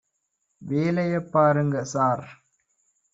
வேலைய பாருங்க சார்